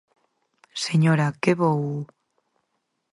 Señora, que vou...?